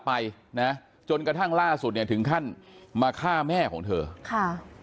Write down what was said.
ไปนะจนกระทั่งล่าสุดเนี่ยถึงขั้นมาฆ่าแม่ของเธอค่ะ